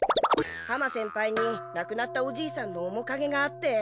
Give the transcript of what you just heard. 浜先輩になくなったおじいさんのおもかげがあって。